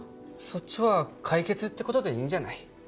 そっちは解決ってことでいいんじゃない？